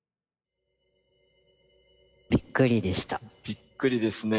びっくりですね。